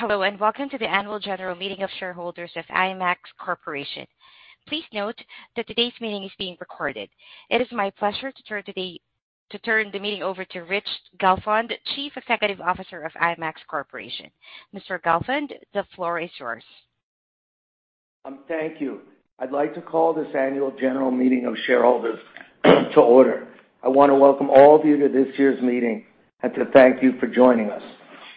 Hello, and welcome to the Annual General Meeting of Shareholders of IMAX Corporation. Please note that today's meeting is being recorded. It is my pleasure to turn the meeting over to Rich Gelfond, Chief Executive Officer of IMAX Corporation. Mr. Gelfond, the floor is yours. Thank you. I'd like to call this annual general meeting of shareholders to order. I wanna welcome all of you to this year's meeting, and to thank you for joining us.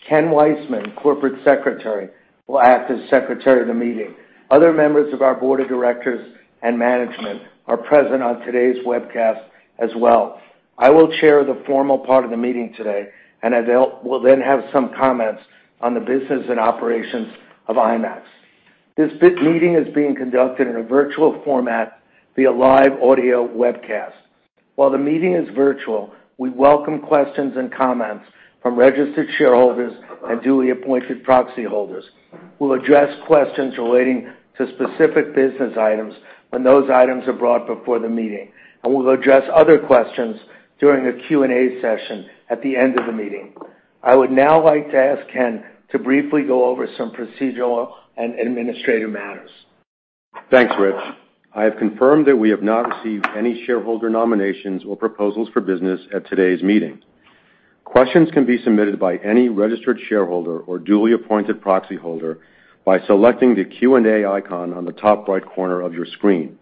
Ken Weissman, Corporate Secretary, will act as Secretary of the meeting. Other members of our board of directors and management are present on today's webcast as well. I will chair the formal part of the meeting today, and I will then have some comments on the business and operations of IMAX. This meeting is being conducted in a virtual format via live audio webcast. While the meeting is virtual, we welcome questions and comments from registered shareholders and duly appointed proxy holders. We'll address questions relating to specific business items when those items are brought before the meeting, and we'll address other questions during a Q&A session at the end of the meeting. I would now like to ask Ken to briefly go over some procedural and administrative matters. Thanks, Rich. I have confirmed that we have not received any shareholder nominations or proposals for business at today's meeting. Questions can be submitted by any registered shareholder or duly appointed proxy holder by selecting the Q&A icon on the top right corner of your screen.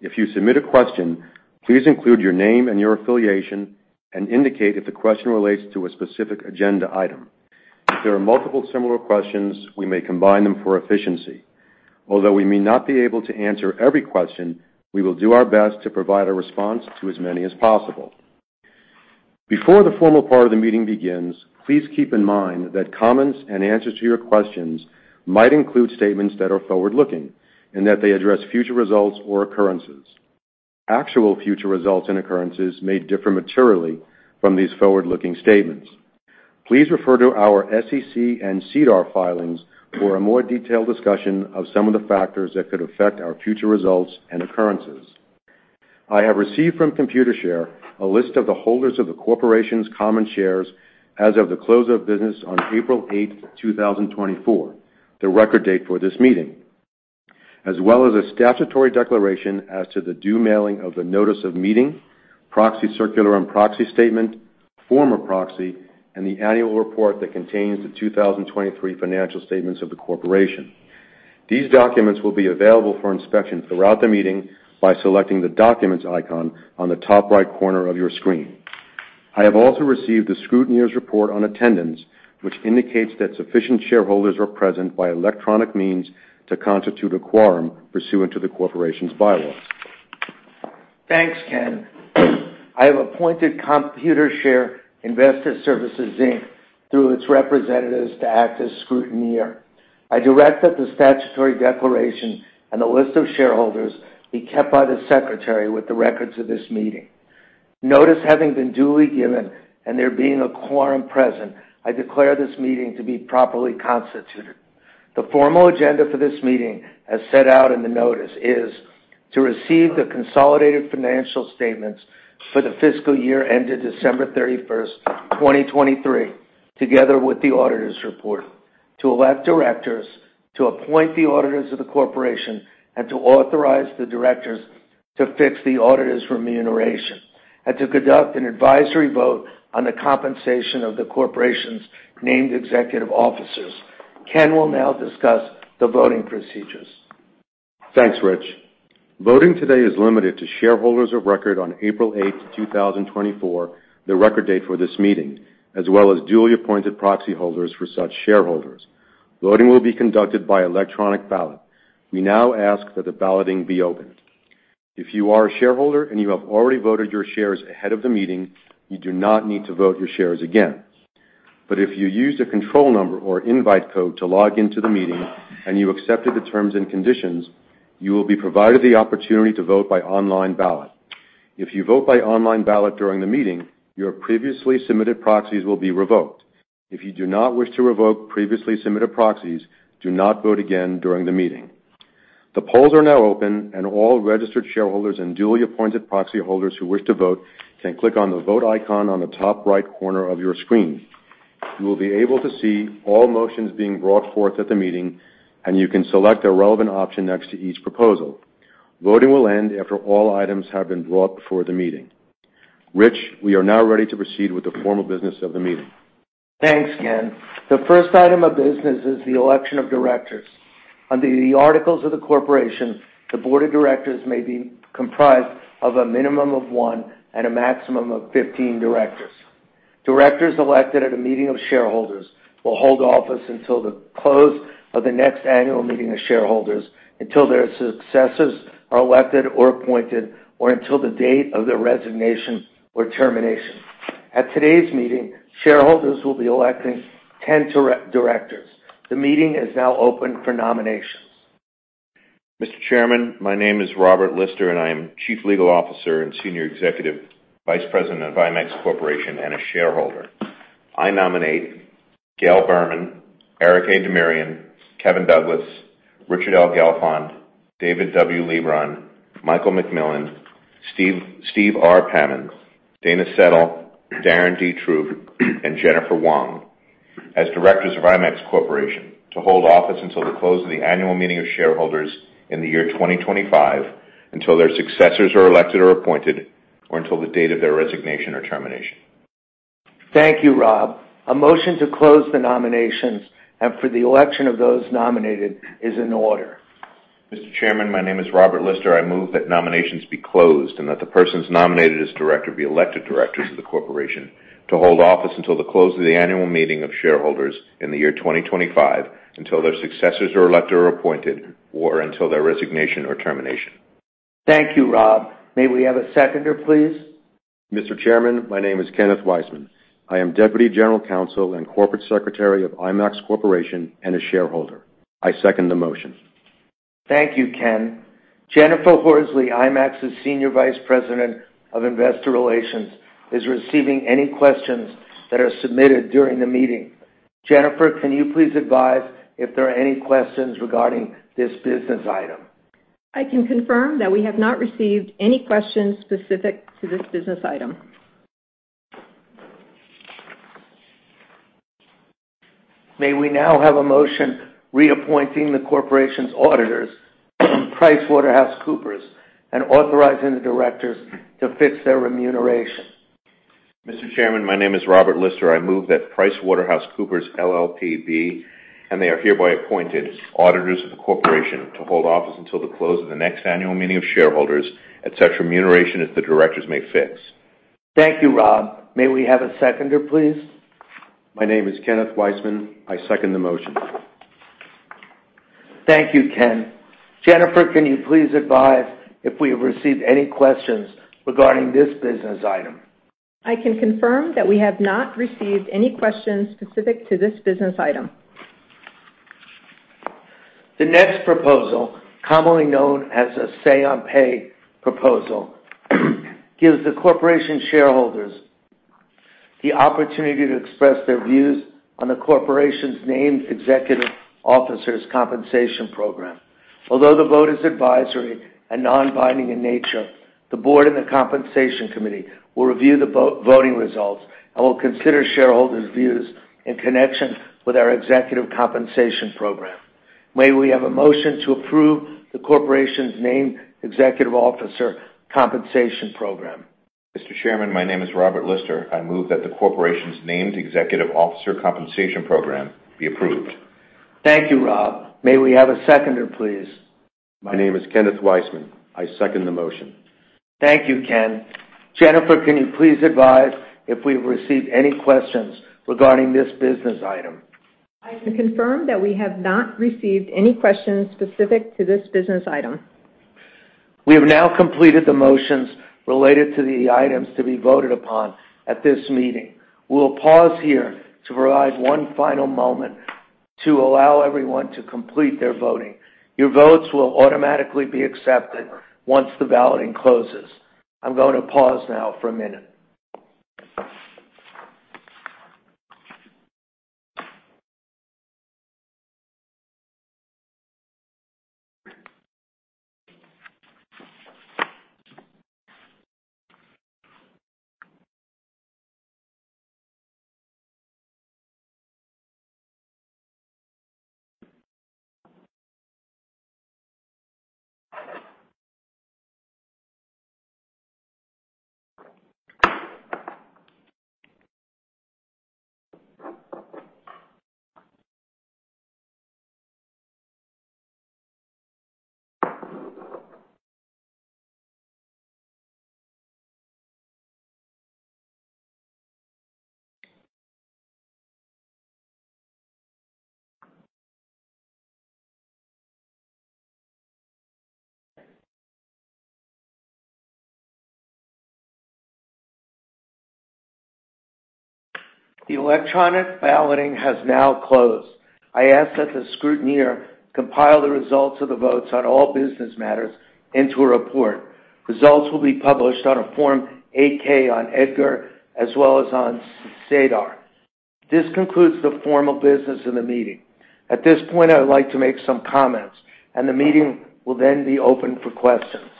If you submit a question, please include your name and your affiliation and indicate if the question relates to a specific agenda item. If there are multiple similar questions, we may combine them for efficiency. Although we may not be able to answer every question, we will do our best to provide a response to as many as possible. Before the formal part of the meeting begins, please keep in mind that comments and answers to your questions might include statements that are forward-looking and that they address future results or occurrences. Actual future results and occurrences may differ materially from these forward-looking statements. Please refer to our SEC and SEDAR filings for a more detailed discussion of some of the factors that could affect our future results and occurrences. I have received from Computershare a list of the holders of the corporation's common shares as of the close of business on April 8, 2024, the record date for this meeting, as well as a statutory declaration as to the due mailing of the notice of meeting, proxy, circular and proxy statement, form of proxy, and the annual report that contains the 2023 financial statements of the corporation. These documents will be available for inspection throughout the meeting by selecting the Documents icon on the top right corner of your screen. I have also received a scrutineer's report on attendance, which indicates that sufficient shareholders are present by electronic means to constitute a quorum pursuant to the corporation's bylaws. Thanks, Ken. I have appointed Computershare Investor Services, Inc, through its representatives, to act as scrutineer. I direct that the statutory declaration and the list of shareholders be kept by the Secretary with the records of this meeting. Notice having been duly given and there being a quorum present, I declare this meeting to be properly constituted. The formal agenda for this meeting, as set out in the notice, is to receive the consolidated financial statements for the fiscal year ended December 31, 2023, together with the auditor's report, to elect directors, to appoint the auditors of the corporation, to authorize the directors to fix the auditor's remuneration, and to conduct an advisory vote on the compensation of the corporation's named executive officers. Ken will now discuss the voting procedures. Thanks, Rich. Voting today is limited to shareholders of record on April 8, 2024, the record date for this meeting, as well as duly appointed proxy holders for such shareholders. Voting will be conducted by electronic ballot. We now ask that the balloting be opened. If you are a shareholder and you have already voted your shares ahead of the meeting, you do not need to vote your shares again. But if you use a control number or invite code to log into the meeting, and you accepted the terms and conditions, you will be provided the opportunity to vote by online ballot. If you vote by online ballot during the meeting, your previously submitted proxies will be revoked. If you do not wish to revoke previously submitted proxies, do not vote again during the meeting. The polls are now open, and all registered shareholders and duly appointed proxy holders who wish to vote can click on the Vote icon on the top right corner of your screen. You will be able to see all motions being brought forth at the meeting, and you can select a relevant option next to each proposal. Voting will end after all items have been brought before the meeting. Rich, we are now ready to proceed with the formal business of the meeting. Thanks, Ken. The first item of business is the election of directors. Under the articles of the corporation, the board of directors may be comprised of a minimum of one and a maximum of 15 directors. Directors elected at a meeting of shareholders will hold office until the close of the next annual meeting of shareholders, until their successors are elected or appointed, or until the date of their resignation or termination. At today's meeting, shareholders will be electing 10 directors. The meeting is now open for nominations. Mr. Chairman, my name is Robert Lister, and I am Chief Legal Officer and Senior Executive Vice President of IMAX Corporation, and a shareholder. I nominate Gail Berman, Eric A. Demirian, Kevin Douglas, Richard L. Gelfond, David W. Leebron, Michael MacMillan, Steve R. Pamon, Dana Settle, Darren Throop, and Jennifer Wong as directors of IMAX Corporation to hold office until the close of the annual meeting of shareholders in the year 2025, until their successors are elected or appointed, or until the date of their resignation or termination. Thank you, Rob. A motion to close the nominations and for the election of those nominated is in order. Mr. Chairman, my name is Robert Lister. I move that nominations be closed and that the persons nominated as director be elected directors of the corporation to hold office until the close of the annual meeting of shareholders in the year 2025, until their successors are elected or appointed, or until their resignation or termination. Thank you, Rob. May we have a seconder, please? Mr. Chairman, my name is Kenneth Weissman. I am Deputy General Counsel and Corporate Secretary of IMAX Corporation and a shareholder. I second the motion. Thank you, Ken. Jennifer Horsley, IMAX's Senior Vice President of Investor Relations, is receiving any questions that are submitted during the meeting. Jennifer, can you please advise if there are any questions regarding this business item? I can confirm that we have not received any questions specific to this business item. May we now have a motion reappointing the corporation's auditors, PricewaterhouseCoopers, and authorizing the directors to fix their remuneration? Mr. Chairman, my name is Robert Lister. I move that PricewaterhouseCoopers LLP, and they are hereby appointed, auditors of the corporation to hold office until the close of the next annual meeting of shareholders at such remuneration as the directors may fix. Thank you, Rob. May we have a seconder, please? My name is Kenneth Weissman. I second the motion. Thank you, Ken. Jennifer, can you please advise if we have received any questions regarding this business item? I can confirm that we have not received any questions specific to this business item. The next proposal, commonly known as a Say-on-Pay proposal, gives the corporation shareholders the opportunity to express their views on the corporation's named executive officers' compensation program. Although the vote is advisory and non-binding in nature, the board and the compensation committee will review the voting results and will consider shareholders' views in connection with our executive compensation program. May we have a motion to approve the corporation's named Executive Officer Compensation program? Mr. Chairman, my name is Robert Lister. I move that the corporation's named Executive Officer Compensation program be approved. Thank you, Rob. May we have a seconder, please? My name is Kenneth Weissman. I second the motion. Thank you, Ken. Jennifer, can you please advise if we have received any questions regarding this business item? I can confirm that we have not received any questions specific to this business item. We have now completed the motions related to the items to be voted upon at this meeting. We'll pause here to provide one final moment to allow everyone to complete their voting. Your votes will automatically be accepted once the balloting closes. I'm going to pause now for a minute. The electronic balloting has now closed. I ask that the scrutineer compile the results of the votes on all business matters into a report. Results will be published on a Form 8-K on EDGAR as well as on SEDAR. This concludes the formal business of the meeting. At this point, I would like to make some comments, and the meeting will then be open for questions.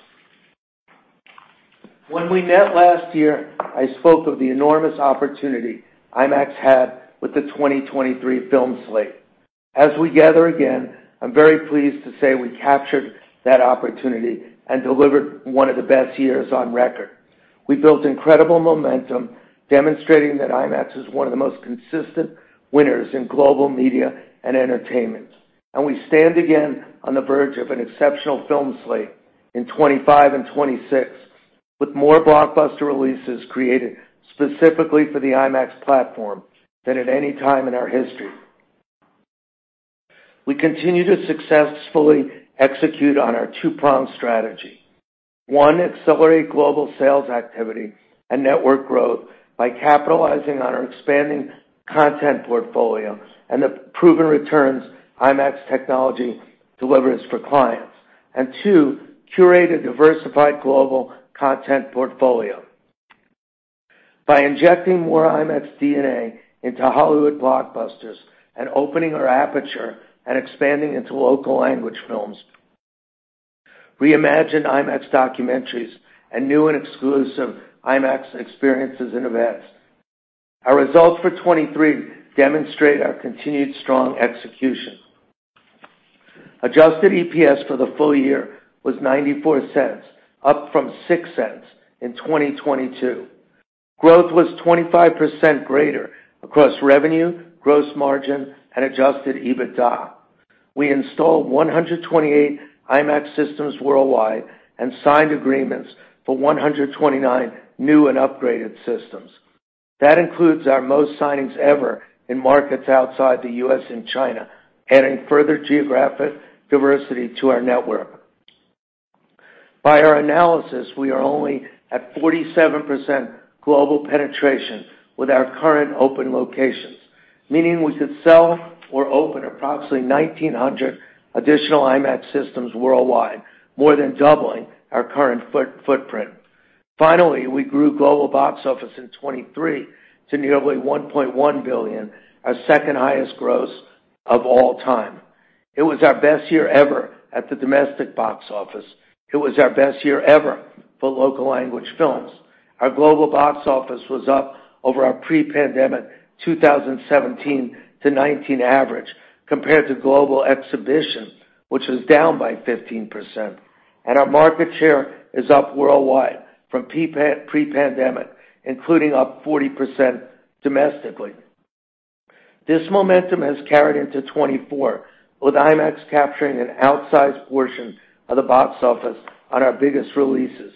When we met last year, I spoke of the enormous opportunity IMAX had with the 2023 film slate. As we gather again, I'm very pleased to say we captured that opportunity and delivered one of the best years on record. We built incredible momentum, demonstrating that IMAX is one of the most consistent winners in global media and entertainment, and we stand again on the verge of an exceptional film slate in 2025 and 2026, with more blockbuster releases created specifically for the IMAX platform than at any time in our history. We continue to successfully execute on our two-pronged strategy. One, accelerate global sales activity and network growth by capitalizing on our expanding content portfolio and the proven returns IMAX technology delivers for clients. And two, curate a diversified global content portfolio. By injecting more IMAX DNA into Hollywood blockbusters and opening our aperture and expanding into local language films, reimagined IMAX documentaries, and new and exclusive IMAX experiences and events. Our results for 2023 demonstrate our continued strong execution. Adjusted EPS for the full year was $0.94, up from $0.06 in 2022. Growth was 25% greater across revenue, gross margin, and adjusted EBITDA. We installed 128 IMAX systems worldwide and signed agreements for 129 new and upgraded systems. That includes our most signings ever in markets outside the U.S. and China, adding further geographic diversity to our network. By our analysis, we are only at 47% global penetration with our current open locations, meaning we could sell or open approximately 1,900 additional IMAX systems worldwide, more than doubling our current footprint. Finally, we grew global box office in 2023 to nearly $1.1 billion, our second-highest gross of all time. It was our best year ever at the domestic box office. It was our best year ever for local language films. Our global box office was up over our pre-pandemic 2017-2019 average, compared to global exhibition, which is down by 15%, and our market share is up worldwide from pre-pandemic, including up 40% domestically. This momentum has carried into 2024, with IMAX capturing an outsized portion of the box office on our biggest releases.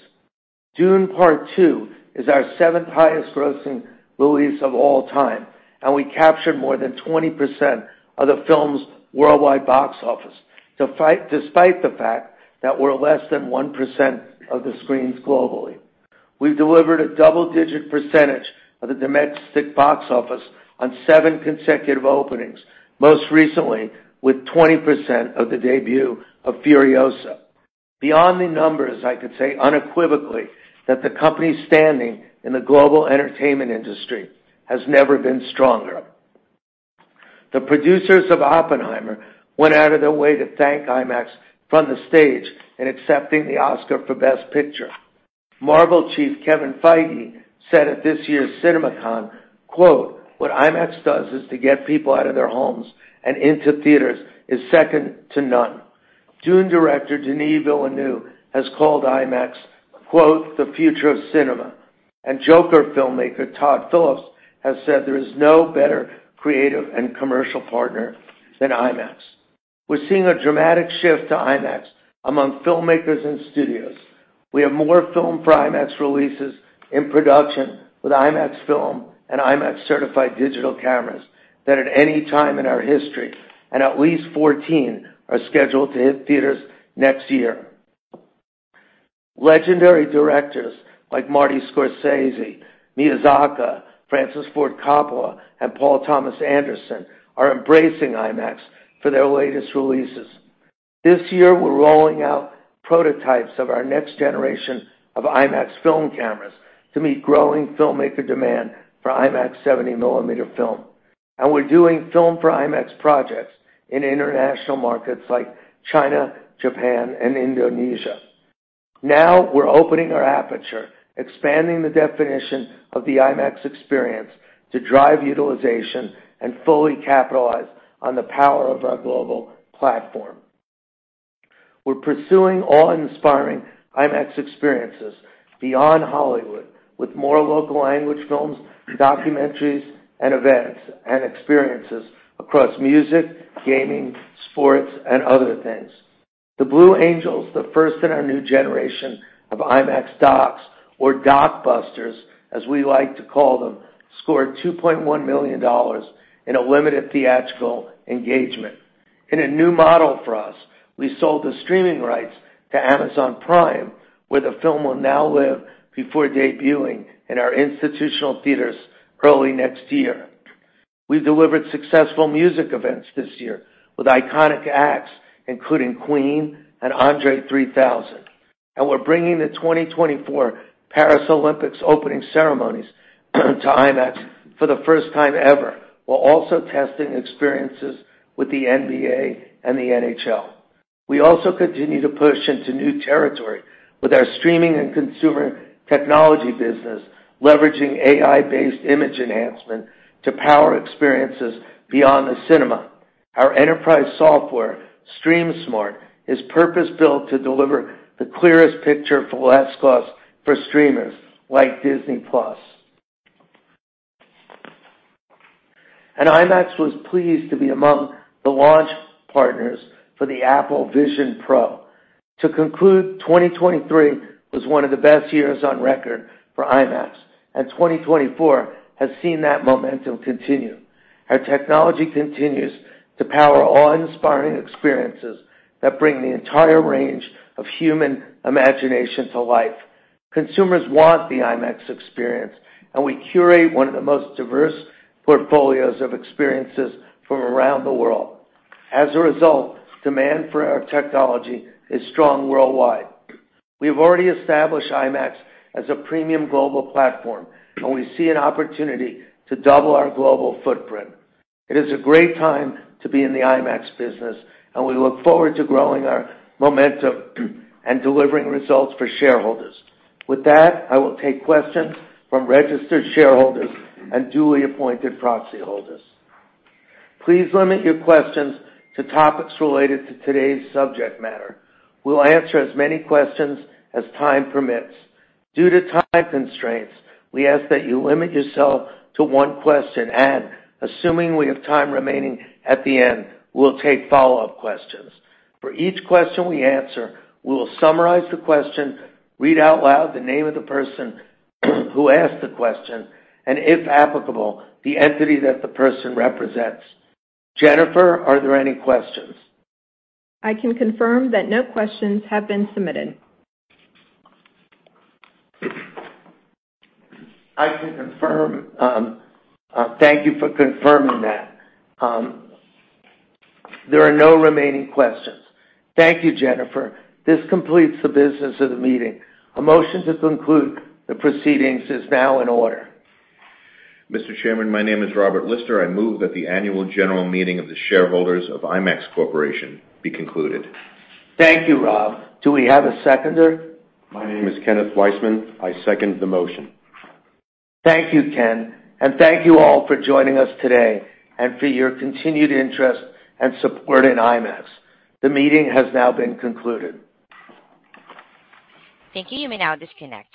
Dune: Part Two is our seventh highest grossing release of all time, and we captured more than 20% of the film's worldwide box office, despite the fact that we're less than 1% of the screens globally. We've delivered a double-digit percentage of the domestic box office on seven consecutive openings, most recently with 20% of the debut of Furiosa. Beyond the numbers, I could say unequivocally, that the company's standing in the global entertainment industry has never been stronger. The producers of Oppenheimer went out of their way to thank IMAX from the stage in accepting the Oscar for Best Picture. Marvel Chief, Kevin Feige, said at this year's CinemaCon, quote, "What IMAX does is to get people out of their homes and into theaters is second to none." Dune director Denis Villeneuve, has called IMAX, quote, "The future of cinema." Joker filmmaker, Todd Phillips, has said, "There is no better creative and commercial partner than IMAX." We're seeing a dramatic shift to IMAX among filmmakers and studios. We have more film for IMAX releases in production with IMAX film and IMAX-certified digital cameras than at any time in our history, and at least 14 are scheduled to hit theaters next year. Legendary directors like Martin Scorsese, Miyazaki, Francis Ford Coppola, and Paul Thomas Anderson are embracing IMAX for their latest releases. This year, we're rolling out prototypes of our next generation of IMAX film cameras to meet growing filmmaker demand for IMAX 70mm film. We're doing film for IMAX projects in international markets like China, Japan, and Indonesia. Now, we're opening our aperture, expanding the definition of the IMAX experience to drive utilization and fully capitalize on the power of our global platform. We're pursuing awe-inspiring IMAX experiences beyond Hollywood, with more local language films, documentaries, and events, and experiences across music, gaming, sports, and other things. The Blue Angels, the first in our new generation of IMAX docs, or doc busters, as we like to call them, scored $2.1 million in a limited theatrical engagement. In a new model for us, we sold the streaming rights to Amazon Prime, where the film will now live before debuting in our institutional theaters early next year. We've delivered successful music events this year with iconic acts, including Queen and André 3000 and we're bringing the 2024 Paris Olympics opening ceremonies to IMAX for the first time ever, while also testing experiences with the NBA and the NHL. We also continue to push into new territory with our streaming and consumer technology business, leveraging AI-based image enhancement to power experiences beyond the cinema. Our enterprise software, StreamSmart, is purpose-built to deliver the clearest picture for less cost for streamers, like Disney+. IMAX was pleased to be among the launch partners for the Apple Vision Pro. To conclude, 2023 was one of the best years on record for IMAX, and 2024 has seen that momentum continue. Our technology continues to power awe and inspiring experiences that bring the entire range of human imagination to life. Consumers want the IMAX experience, and we curate one of the most diverse portfolios of experiences from around the world. As a result, demand for our technology is strong worldwide. We have already established IMAX as a premium global platform, and we see an opportunity to double our global footprint. It is a great time to be in the IMAX business, and we look forward to growing our momentum and delivering results for shareholders. With that, I will take questions from registered shareholders and duly appointed proxy holders. Please limit your questions to topics related to today's subject matter. We'll answer as many questions as time permits. Due to time constraints, we ask that you limit yourself to one question, and assuming we have time remaining at the end, we'll take follow-up questions. For each question we answer, we will summarize the question, read out loud the name of the person who asked the question, and if applicable, the entity that the person represents. Jennifer, are there any questions? I can confirm that no questions have been submitted. I can confirm. Thank you for confirming that. There are no remaining questions. Thank you, Jennifer. This completes the business of the meeting. A motion to conclude the proceedings is now in order. Mr. Chairman, my name is Robert Lister. I move that the annual general meeting of the shareholders of IMAX Corporation be concluded. Thank you, Rob. Do we have a seconder? My name is Kenneth Weissman. I second the motion. Thank you, Ken, and thank you all for joining us today and for your continued interest and support in IMAX. The meeting has now been concluded. Thank you. You may now disconnect.